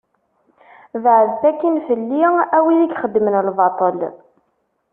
Beɛdet akkin fell-i, a wid i xeddmen lbaṭel.